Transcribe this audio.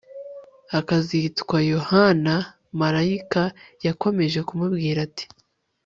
akazitwa Yohana Marayika yakomeje kumubwira ati